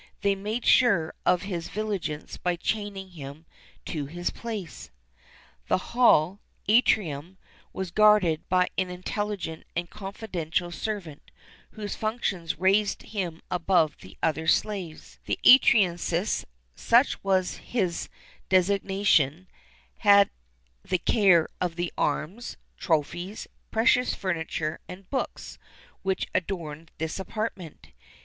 They made sure of his vigilance by chaining him to his place.[XXXIII 11] The hall (atrium) was guarded by an intelligent and confidential servant, whose functions raised him above the other slaves.[XXXIII 12] The atriensis such was his designation had the care of the arms, trophies, precious furniture, and books, which adorned this apartment.